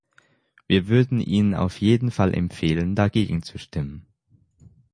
Wir würden Ihnen auf jeden Fall empfehlen, dagegen zu stimmen.